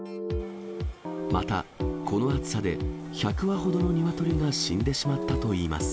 また、この暑さで１００羽ほどのニワトリが死んでしまったといいます。